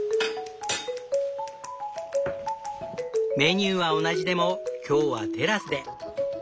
メニューは同じでも今日はテラスで。